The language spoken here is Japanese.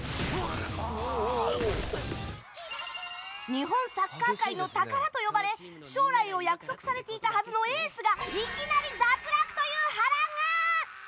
日本サッカー界の宝と呼ばれ将来を約束されていたはずのエースがいきなり脱落という波乱が。